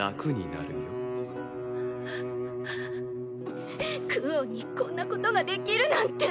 くっクオンにこんなことができるなんて。